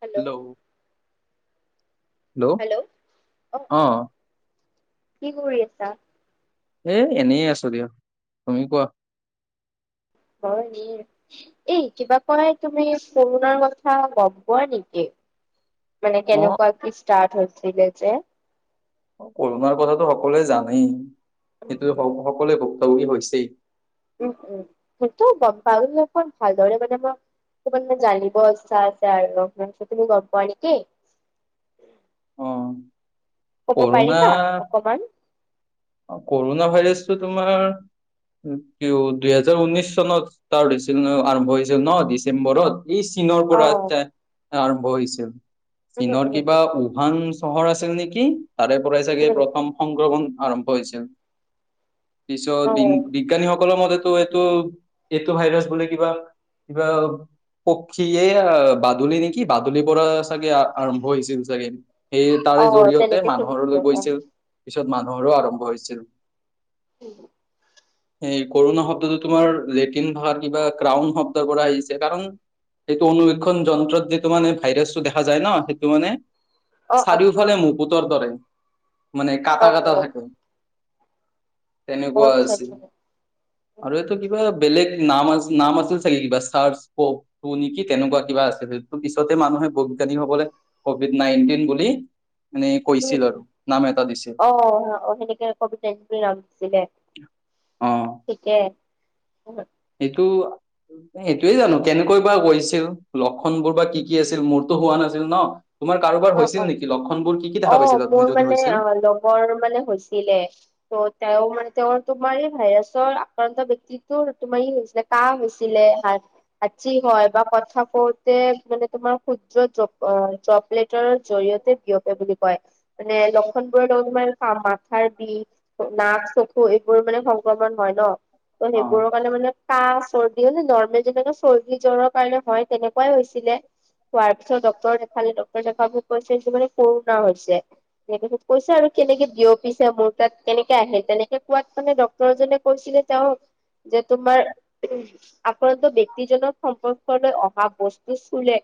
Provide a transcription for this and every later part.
Hello hello hello অঁ কি কৰি আছা? এই এনেই আছো দিয়ক, তুমি কোৱা? ময় এনেয়ে। এই কিবা কয় তুমি কৰুণাৰ কথা গম পোৱা নেকি? মানে অ কেনেকুৱা কে ষ্টাৰ্ট হৈছিলে যে? অ কৰুণাৰ কথাটো সকলোৱে জানেই। সেইটো সকলোৱে ভুক্তভোগী হৈছেই। উম উম, সেইটো গম পাবলে অকন ভালদৰে মানে ময়- কিবা কিবি জানিব ইচ্ছা আছে আৰু অলপমান তুমি গম পোৱা নেকি? অ ক'ব কৰোণা পাৰিবা অকমান অঁ কৰোণা ভাইৰাছটো তোমাৰ- কিয় দুইহেজাৰ ঊনৈশ চনত ষ্টাৰত হৈছিল ন আৰম্ভ হৈছিল ন ডিচেম্বৰত। ই চীনৰ অ পৰা ষ্টাত আৰম্ভ হৈছিল, উম চীনৰ উম কিবা উহাং- চহৰ আছিল নেকি? তাৰে পৰাই চাগে উম প্ৰথম সংক্ৰমণ আৰম্ভ হৈছিল। অ পিছত বিজ্ঞানীসকলৰ মতেতো এইটো এইটো ভাইৰাছ বোলে কিবা- কিবা পক্ষীয়ে আ বাদুলি নেকি বাদুলিৰ পৰা- চাগে আৰম্ভ হৈছিল চাগে, সেইয়ে অ তাৰে জৰিয়তে তেনেকে শুনিছিলো মানুহলৈ অ গৈছিল। পিছত মানুহৰো আৰম্ভ হৈছিল। উম' এই কৰোণা শব্দটো তোমাৰ লেটিন ভাষাৰ কিবা ক্ৰাউন শব্দৰ পৰা আহিছে। কাৰণ- সেইটো অনুুবীক্ষণ যন্ত্ৰত যিটো মানে ভাইৰাছটো দেখা যায় ন, সেইটো মানে- অ অ চাৰিওফালে মুকুতৰ দৰে, মানে অ কাটা কাটা থাকে। অ তেনেকুৱা আচ্ছা আছিল। আচ্ছা উম আৰু এইটো কি- কিবা এটা বেলেগ নাম আছিল নাম আছিল চাগে কিবা চাৰচ কৌ- টোহ নেকি তেনেকুৱা কিবা আছিলে? তো পিছতে মানুহে বৈজ্ঞানিক সকলে কভিড নাইনটিন বুলি- মানে উম কৈছিল আৰু উম' নাম এটা দিছিল অঁ অঁ সেনেকে কভিড নাইণ্টিন নাম দিছিলে। অ ঠিকে। সেইটো- এইটোয়ে জানো কেনেকৈ বা হৈছিল লক্ষণ বোৰ বা কি কি আছিল? মোৰতো হোৱা নাছিল ন। তোমাৰ কাৰোবাৰ অ', হৈছিল অ'। নেকি? লক্ষণবোৰ কি কি দেখা পাইছিলা তুমি যদি হৈছিল? বৰ মানে হৈছিলে। ত' তেওঁ মানে তেওঁৰ তোমাৰ এই ভাইছৰ আক্ৰান্ত ব্যক্তিটো তোমাৰ ই হৈছিলে। কাহ হৈছিলে হাঁচ- হাকচি হয় বা কথা কওঁতে মানে তোমাৰ ক্ষুদ্ৰ জপ আ জপলেট টৰ জৰিয়তে বিয়পে বুলি কয়, মানে লক্ষণবোৰত লগতো মানে পাম, মাথাৰ বিষ নাক, চকু এইবোৰ মানে সংক্ৰমণ হয় ন, ত' অ সেইবোৰৰ কাৰণে মানে কাহ, চৰ্দি হে নৰ্মেল যেনেকে চৰ্দি জ্বৰৰ কাৰণে হয়, তেনেকুৱাই হৈছিলে। হোৱাৰ পিছত ডক্টৰ দেখালো, ডক্টৰ দেখাৰ পিছত কৈছে যে মানে কৰোণা হৈছে। হেইটোতো কৈছে আৰু কেনেকে বিয়পিছে মোৰ তাত কেনেকে আহে, তেনেকে কোৱাত মানে ড ডক্টৰজনে কৈছিলে তেওঁক, যে তোমাৰ আক্ৰান্ত ব্যক্তিজনক সম্পৰ্কলৈ অহা বস্তু চুলে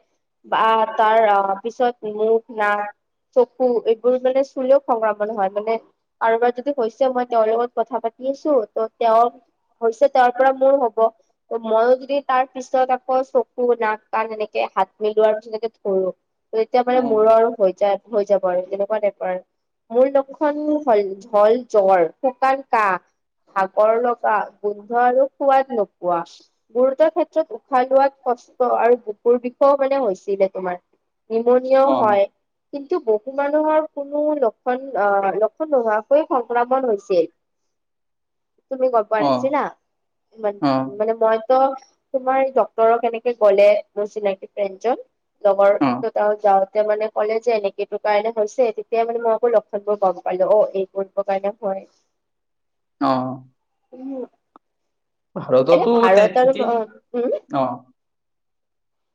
বা তাৰ আ পিছত মুখ, নাক চকু এইবোৰ মানে চুলেও সংক্ৰামণ হয় মানে কাৰোবাৰ যদি হৈছে মই তেওঁৰ লগত কথা-পাতি আছো, ত' তেওঁ হৈছে, তেওঁ পৰা মোৰ হ'ব, ত' মইও যদি তাৰ পিছত আকৌ চক কু, নাক, কাণ যেনেকে হাত, ভৰি ধোৱাৰ পিছত যদি পৰো তেতিয়া মানে অ মোৰো আৰু, হৈ যায় হৈ যাব আৰু এনেকুৱা টাইপৰ আৰু। মূল লক্ষণ হ'ল জল জ্বৰ, শুকান কাহ ভাগৰ লগা, গোন্ধ আৰু সোৱাদ নোপোৱা [inaudible] পিছত উশাহ লোৱাত কষ্ট আৰু বুকুৰ বিষও মানে হৈছিলে, তোমাৰ নেমুনিয়াও অ হয়। কিন্তু বহু মানুহৰ কোনো লক্ষণ আহ, লক্ষণ নোহোৱাকৈও সংক্ৰমণ হৈছিল। তুমি গম পোৱা অ নাছিলা, অ মা-মানে মই ত' তোমাৰ ডক্টৰক এনেকে গ'লে, মোৰ চিনাকি ফ্ৰেডজন, লগৰ অ ত' যাওঁতে মানে ক'লে যে এনেকে এটো কাৰণে হৈছে, তেতিয়া মানে মই আকৌ লক্ষণ বোৰ গম পালো, অ' এই [inaudible] কাৰণে হয়। অ'। উ, এই ভাৰততো তে ভাৰত ঠিকেই অ', ও অ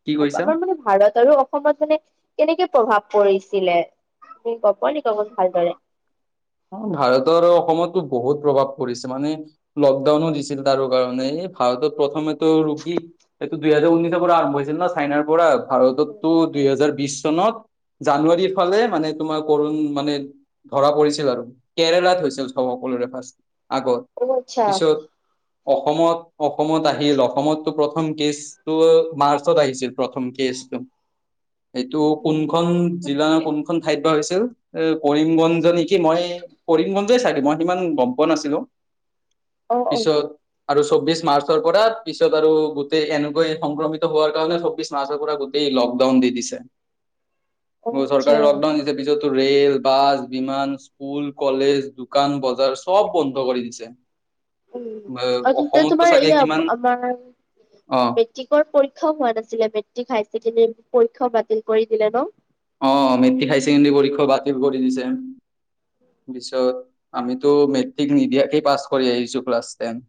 কি হ'ব, কৈছা আমাৰ মানে ভাৰত আৰু অসমত মানে কেনেকে প্ৰভাৱ পৰিছিলে, তুমি গম নেকি অলপ ভালদৰে? অ' ভাৰত আৰু অসমত বহুত প্ৰভাৱ পৰিছে মানে লকডাউনো দিছিল তাৰো কাৰণে, এই ভাৰতত প্ৰথমেতো ৰোগী এইটো দুই হেজাৰ ঊনৈশৰ পৰা আৰম্ভ হৈছিল না, চাইনাৰ পৰা উম, উম, ভাৰততো উম, দুইহাজাৰ বিশ চনত জানুৱাৰীৰ ফালে মানে তোমাৰ কৰুণ মানে, ধৰা পৰিছ ছিল আৰু, কেৰেলাত হৈছিল চব সকলোৰে ফাষ্ট আগত, অ আচ্ছা পিছত অসমত, অসমত আহিল। অসমতটো প্ৰথম কেচ ত' মাৰ্চত আহিছিল, প্ৰথম কেচটো। সেইটো কোনখন জিলা কোনখন ঠাইত বা হৈছিল, এ কৰিমগঞ্জ নেকি কি মই, কৰিমগঞ্জেই চাইদে, মই সিমান গম পোৱা নাছিলো, অ অ পিছত আৰু চৌবিশ মাৰ্চৰ পৰা পিছত আৰু গোটেই এনেকৈ সংক্ৰমিত হোৱাৰ কাৰণে, চৌবিশ মাৰ্চৰ পৰা গোটে টেই লকডাউন দি দিছে। অ আৰু চৰকাৰে আচ্ছা লকডাউন দিছে, পিছততো ৰেল, বাছ বিমান স্কুল, কলেজ, দোকান বজাৰ চব বন্ধ কৰি দিছে। উম, আৰু তেতিয়া অসমতো তোমাৰ চাগে এয়া অস, কিমান আমাৰ মে অ মেট্ৰিকৰ পৰীক্ষাও হোৱা নাছিলে। মেট্ৰিক, হায়াৰ ছেকেণ্ডৰী পৰীক্ষাও বাতিল কৰি দিলে ন। অ', অ', মেট্ৰিক, হায়াৰ ছেকেণ্ডেৰী পৰীক্ষাও বাতিল কৰি দিছে। পিছত আমিতো মেট্ৰিক নিদিয়াকে পাছ কৰি আহিছো, ক্লাছ টেন।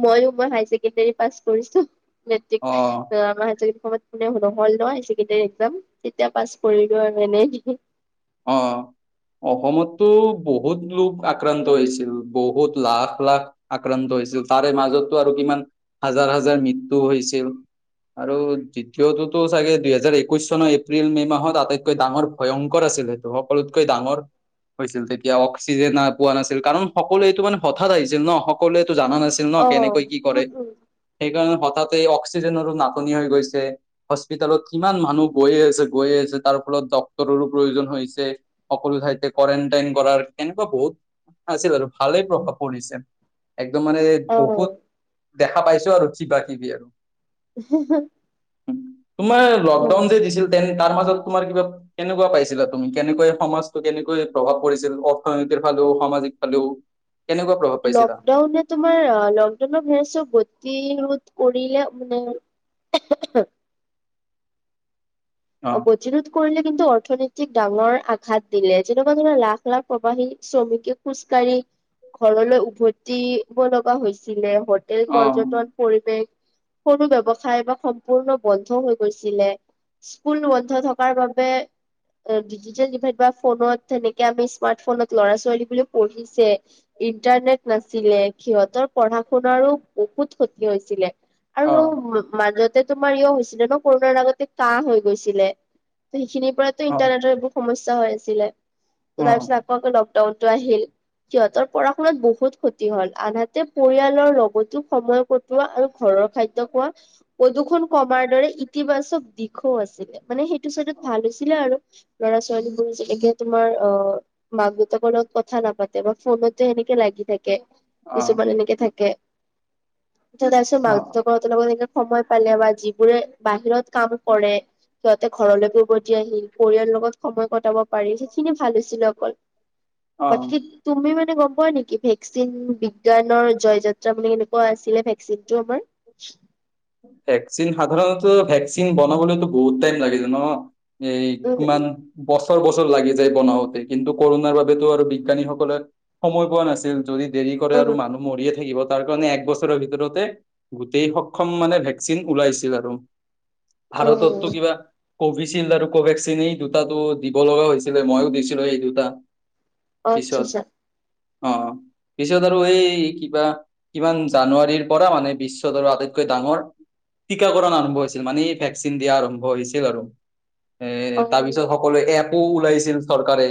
মইও পুৰা হাই ছেকেণ্ডাৰী পাছ কৰিছো, মেট্ৰিক। অ আমাৰ হায়াৰ ছেকেণ্ডাৰী সময়ত নহল ন হায়াৰ ছেকেণ্ডাৰী একজাম তেতিয়া পাছ কৰিলো আৰু এনে অ অসমতো বহুত লোক আক্ৰান্ত হৈছিল বহুত লাখ লাখ আক্ৰান্ত হৈছিল তাৰে মাজতো আৰু কিমান হাজাৰ হাজাৰ মৃত্যু হৈছিল আৰু দ্বিতীয়টোতো চাগে দুইহেজাৰ একৈশ চনৰ এপ্ৰিল মে' মাহত আটাইতকৈ ডাঙৰ ভয়ংকৰ আছিল সকলোতকৈ ডাঙৰ হৈছিল তেতিয়া অক্সিজেন এ পোৱা নাছিল কাৰণ সকলোৱে এইটো মানে হঠাৎ আহিছিল ন সকলোৱে এইটো জানা নাছিল ন অ কেনেকৈ কি কৰে সেইকাৰণে হঠাতে অক্সিজেনৰো নাটনি হৈ গৈছে হস্পিতালত কিমান মানুহ গৈয়ে আছে গৈয়ে আছে তাৰ ফলত ডক্তৰৰো প্ৰয়োজন হৈছে সকলো ঠাইতে কোৱাৰেনটাইন কৰাৰ এনেকুৱা বহুত আছিল আৰু ভালেই প্ৰভাৱ পৰিছে একদম মানে বহুত অ দেখা পাইছো আৰু কিবা কিবি আৰু [unintelligible] তোমাৰ লকডাউন যে দিছিল তেন তাৰ মাজত তোমাৰ কিবা কেনেকুৱা পাইছিলা কেনেকৈ সমাজটো কেনেকৈ প্ৰভাৱ পৰিছিল অৰ্থনীতিৰ ফালেও সামাজিক ফালেও কেনেকুৱা প্ৰভাৱ পাইছিলা? লকডাউনে তোমাৰ লকডাউনৰ [unintelligible] গতি ৰোধ কৰিলে মানে অ গ বিৰোধ কৰিলে কিন্তু অৰ্থনীতিক ডাঙৰ আঘাত দিলে যেনেকুৱা ধৰণৰ লাখ লাখ প্ৰবাহী শ্ৰমিকে খোজকাঢ়ি ঘৰলৈ উভতি-ব লগা হৈছিলে [unintelligible] অ', পৰ্যটন পৰিবেশ সৰু ব্যৱসায় বা সম্পূৰ্ণ বন্ধ হৈ গৈছিলে স্কুল বন্ধ থকাৰ বাবে ডিজিটেল ডিভাইচ বা ফোনত তেনেকে আমি স্মাৰ্ট ফোনত ল'ৰা ছোৱালীবোৰে পঢ়িছে ইণ্টাৰনেট নাছিলে সিহঁতৰ পঢ়া শুনাৰো বহুত ক্ষতি হৈছিলে আৰু অ', মাজত তে তোমাৰ ইয় হৈছিলে ন কৰোণাৰ আগতে কা হৈ গৈছিলে ত সেইখিনিৰ পৰাতো অ', ইন্টাৰনেটৰ [unintelligible] সমস্যা হৈ আছিলে ত অ', তাৰপিছত আকৌ আকৌ লকডাউনটো আহিল সিহঁতৰ পঢ়া শুনাত বহুত ক্ষতি হ'ল আনহাতে পৰিয়ালৰ লগতো সময় ক কতোৱা আৰু ঘৰৰ খাদ্য খোৱা প্ৰদূৰণ কমাৰ দৰে ইতিবাচক দিশ আছিলে মানে সেইটো চাইডত ভাল হৈছিলে আৰু ল'ৰা ছোৱালীবোৰ যেনেকে তোমাৰ অ মাক দেউতাকৰ লগত কথা নাপাতে বা ফোনতে সেনেকে লাগি থাকে কিছুমান এনেকে থাকে তাৰপিছত অ', মাক অ'। দেউতাক হতৰ লগত এনেকে সময় পালে বা যিবোৰে বাহিৰত কাম কৰে সিহঁতে ঘৰলৈকে উভতি আহিল পৰিয়ালৰ লগত সময় কটাব পাৰিল সেইখিনি ভাল হৈছিল অকল অ [unintelligible] তুমি মানে গম পোৱা নেকি ভেকচিন বিজ্ঞানৰ জয় যাত্ৰা মানে কেনেকুৱা আছিলে ভেকচিন টো আমাৰ ভেকচিন সাধাৰণতে ভেকচিন বনাবলৈতো বহুত টাইম লাগি যায় ন এই উম কিমান - বছৰ বছৰ লাগি যায় বনাওঁতে কিন্তু কৰণাৰ বাবেতো আৰু বিজ্ঞানীসকলে সময় পোৱা নাছিল যদি দেৰি কৰে উম আৰু মানুহ মৰিয়ে থাকিব তাৰ কাৰণে এক বছৰৰ ভিতৰতে গোটেই শক ক্ষম মানে ভেকচিন ওলাইছিল আৰু ভাৰতত তো উম কিবা- কোভিচিল্ড আৰু কোভেক্সিন এই দুটাটো দিব লগা হৈছিলে ময়ো দিছিলো এই দুটা অ আচ্ছা পিছত আচ্ছা অ পিছত আৰু এই কিবা কিমান জানুৱাৰীৰ পৰা মানে বিশ্বত আৰু আটাইত কৈ ডাঙৰ টীকাকৰণ আৰম্ভ হৈছিল মানে এই ভেকচিন দিয়া আৰম্ভ হৈছিল আৰু এ অ তাৰপিছত সকলো এপো ওলাইছিল চৰকাৰে।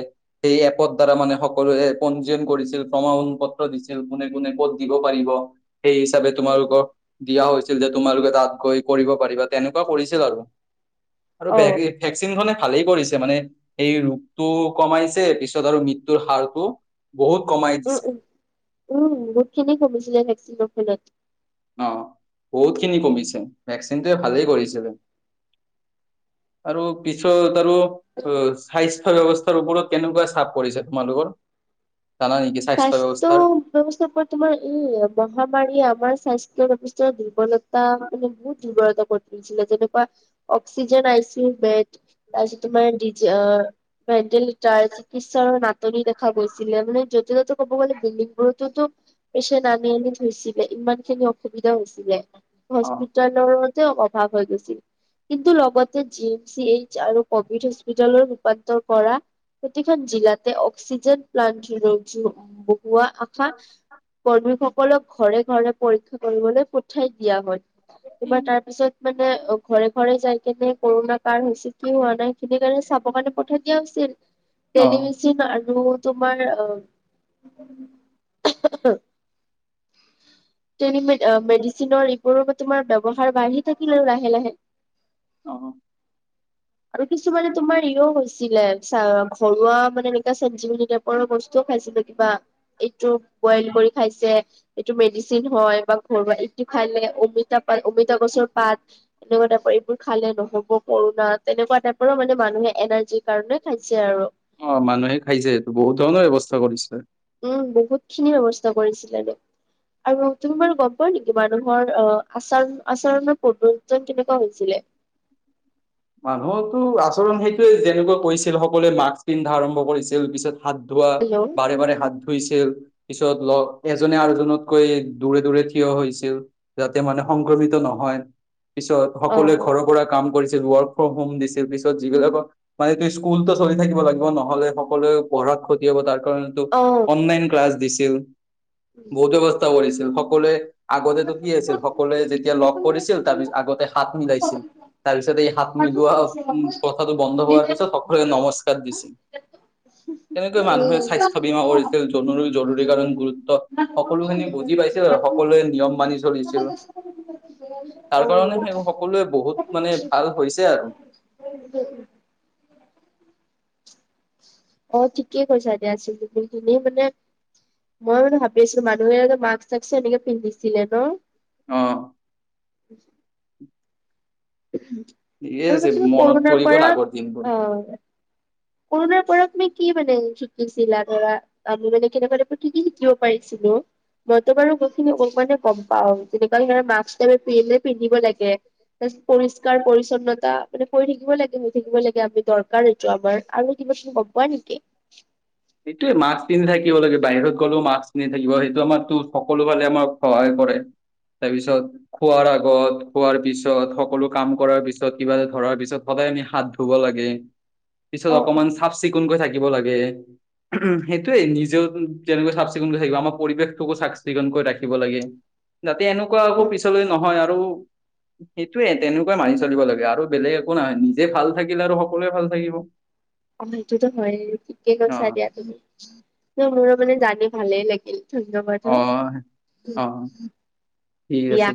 এই এপৰ দ্বাৰা মানে সকলোৱে পঞ্জীয়ন কৰিছিল, প্ৰমাণ পত্ৰ দিছিল কোনে কোনে ক'ত দিব পাৰিব। সেই হিচাপে উম তোমালোকক দিয়া হৈছিল যে তোমালোকে তাত গৈ কৰিব পাৰিবা তেনেকুৱা কৰিছিল আৰু। অ [unintelligible] ভেকচিনখনে ভালেই কৰিছে মানে এই ৰোগটো কমাইছে পিছত আৰু মৃত্যুৰ হাৰটো বহুত কমাই উম দিছে। উম উম বহুতখিনি কমিছিলে ভেকচিনৰ ফলত। অ বহুতখিনি কমিছে ভেকচিনটো ভালেই কৰিছিলে। আৰু পিছত আৰু অ স্বাস্থ্য ব্যৱস্থাৰ ওপৰত কেনেকুৱা চাপ পৰিছে তোমালোকৰ? জানা নেকি স্বাস্থ্য ব্যৱস্থাৰ ব্যৱস্থাৰ পৰা তোমাৰ এই মহামাৰী আমাৰ স্বাস্থ্য ব্যৱস্থাৰ দুৰ্বলতা মানে বহুত দুৰ্বলতা কৰি তুলিছিলে যেনেকুৱা, oxygen I C U bed. তাৰপিছত তোমাৰ ডিজ অ ভেণ্টিলিটাৰ চিকিৎসাৰ নাটনি দেখা গৈছিলে মানে যত এনেকে ক'ব গ'লে বিল্ডিংবোৰততো পেচেন্ট আনি আনি থৈছিলে ইমানখিনি অসুবিধা হৈছিলে, অ হস্পিতালৰ তে অভাৱ হৈ গৈছিল। কিন্তু লগতে জি এম চি এইচ আৰু কভিড হস্পিতালত ৰূপান্তৰ কৰা প্ৰতিখন জিলাতে অক্সিজেন প্লান্ট [unintelligible] বহুৱা আশা কৰ্মীসকলোক ঘৰে ঘৰে পৰীক্ষা কৰিবলৈ পঠাই দিয়া হয়, তোমাৰ উম তাৰপিছত মানে অ' ঘৰে ঘৰে যাই কেনে কৰোণা কাৰ হৈছে, কি হোৱা নাই, সেইখিনি কাৰণে চা [unintelligible] পঠাই দিয়া হৈছিল। অ টেলিভিচন আৰু তোমাৰ অ' [unintelligible] [unintelligible] মেডিচিনৰ এইবোৰৰ তোমাৰ ব্যৱহাৰ বাঢ়ি থাকিল আৰু লাহে লাহে। অ'। [inaudible] আৰু কিছুমানে তোমাৰ ইও হৈছিলে চা, ঘৰুৱা মানে এনেকুৱা [unintelligible] টাইপৰ বস্তুও খাইছিলে। কিবা, এইটো বইল কৰি খাইছে, এইটো মেদি হয় বা ঘৰুৱা এইটো খাই [unintelligible] অমিতা গছৰ পাত অমিতা গছৰ পাত। এনেকুৱা [unintelligible] এইবোৰ খালে নহব কৰোণা। তেনেকুৱা টাইপৰো মানে মানুহে এনাৰ্জিৰ কাৰণে খাইছে আৰু। অ', মানুহে খাইছে সেইটো বহুত ধৰণৰ ব্যৱস্থা কৰিছে। উম, বহুতখিনি ব্যৱস্থা কৰিছিলে দে। আৰু তুমি বাৰু গম পোৱা নেকি, মানুহৰ আহ, আচৰণ, আচৰণৰ প্ৰৱোজন কেনেকুৱা হৈছিলে? মানুহেতো আচৰণ সেইটোৱে যেনেকুৱা কৰিছিল, সকলোৱে মাস্ক পিন্ধা আৰম্ভ কৰিছিল পিছত হাত ধোৱা, হেল্ল' বাৰে বাৰে হাত ধ ধুইছিল, পিছত ল' এজনে আৰু এজনতকৈ দূৰে দূৰে থিয় হৈছিল। যাতে মানে সংক্ৰমিত নহয়, পিছত অ সকলোৱে ঘৰৰ পৰা কাম কৰিছিল ৱৰ্ক ফ্ৰম হুম দিছিল, পিছত যিবিলাকৰ মানে ত স্কুলত চলি থাকিব লাগিব, নহ'লে সকলোৱে পঢ়াত ক্ষতি হ'ব তাৰ [unintelligible] অ অনলাইন ক্লাছ দিছিল, বহুত ব্যৱস্থা কৰিছিল, সকলোৱে আগতেটো কি আছিল, সকলোৱে যেতিয়া লগ কৰিছিল, তাৰপিছ আগতে হাত মিলাইছিল তাৰপিছত এই হাত মিলোৱা, উম কথাটো বন্ধ হোৱাৰ পিছত, সকলোৱে নমস্কাৰ দিছিল। [unintelligible] তেনেকৈ মানুহে স্বাস্থ্য বীমা কৰিছিল, জৰুৰী জৰুৰীকালীণ গুৰুত্ব। সকলো খিনি বুজি পাইছিল, আৰু সকলোৱে নিয়ম মানি চলছিল। তাৰ কাৰণে সেই সকলোৱে বহুত মানে ভাল হৈছে আৰু। উম, অ'ঠিকে কৈছা দিয়া আছিল বিন [unintelligible] মানে মই মান ভাবিছো, মানুহে মাস্ক সাস্ক এনেকে পিন্ধিছিলে ন। অ', [inaudible] ঠিকে আৰু আছে কছিল [unintelligible] মনত কৰণাৰ পৰি গ'ল পৰা আগৰ দিনবোৰ আহ কৰণাৰ পৰা তুমি কি মানে শিকিছিলা ধৰা আমি মানে কেনেকা কি, কি শিকিব পাৰিছিলো। মইতো বাৰু গোটেইখিনি, অকমানে গম পাওঁ তেনেকুৱা পিন্ধিব লাগে। [unintelligible] পৰিষ্কাৰ-পৰিচ্ছন্নতা মানে পৰি থাকিব লাগে, থাকিব লাগে আমি দৰকাৰ এইটো আমাৰ। আৰু কিবা কিবি গম পোৱা নেকি? এইটোৱে মাস্ক কিনি থাকিব লাগে, বাহিৰত গ'লেও মাস্ক কিনি থাকিব, সেইটো আমাৰতো সকলো ফালে আমাক সহায় কৰে। তাৰপিছত খোৱাৰ আগত, খোৱাৰ পিছত, সকলো কাম কৰাৰ পিছত কিবা এটা ধৰাৰ পিছত সদায় আমি হাত ধুব লাগে, পিছত অ অ অকমান চাফ চিকুণকৈ থাকিব লাগে। সেইটোৱেই নিজেও যেনেকৈ চাফ চিকুণকৈ থাকিব, আমাৰ পৰিৱেশটোকো চাফ চিকুণকৈ ৰাখিব লাগে। যাতে এনেকুৱা আকৌ অ পিছলৈ নহয় আৰু সেইটোৱে, তেনেকুৱাই মানি চলিব লাগে, আৰু বেলেগ একো নহয়, নিজে ভাল থাকিলে আৰু সকলোৱে ভাল থাকিব। [inaudible] অ' সেইটোতো হয়েই, ঠিকে অ কৈছা দিয়া তুমি ন মোৰো মানে জানি ভালেই লাগিল। ধন্যবাদ অ হা অ ঠিক দিয়া। আছে